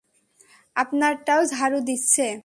আপনারটাও ঝাড়ু দিচ্ছে।